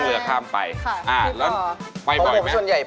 ซื้ออาหารซื้อเฉย